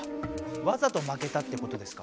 わざとまけたってことですか？